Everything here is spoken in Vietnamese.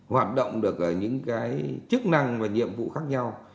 hoạt động được ở những cái chức năng và nhiệm vụ khác nhau